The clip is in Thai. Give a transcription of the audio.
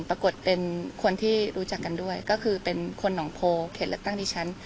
ปรากฏเป็นคนที่รู้จักกันด้วยก็คือเป็นคนหนองโพเขตเลือกตั้งที่ฉัน